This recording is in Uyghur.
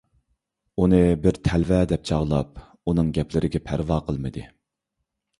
ئۇنى بىر تەلۋە دەپ چاغلاپ، ئۇنىڭ گەپلىرىگە پەرۋا قىلمىدى.